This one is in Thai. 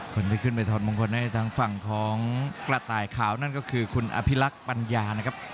คนที่ขึ้นไปถอดมงคลให้ทางฝั่งของกระต่ายขาวนั่นก็คือคุณอภิรักษ์ปัญญานะครับ